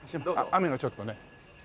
雨がちょっとね。